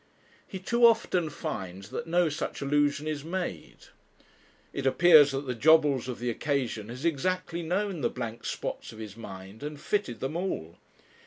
He too often finds that no such allusion is made. It appears that the Jobbles of the occasion has exactly known the blank spots of his mind and fitted them all.